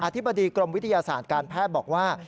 ธิบดีกรมวิทยาศาสตร์การแพทย์บอกว่า